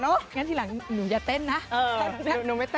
งั้นทีหลังหนูอย่าเต้นนะ